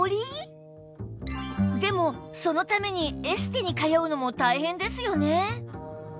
でもそのためにエステに通うのも大変ですよね